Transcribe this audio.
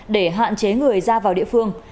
để hạn chế người ra vào địa phương